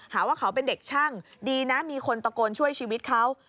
หาว่าเขาเป็นเด็กช่างดีนะมีคนตะโกนช่วยชีวิตเขา